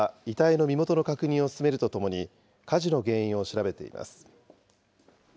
警察は遺体の身元の確認を進めるとともに、火事の原因を調べてい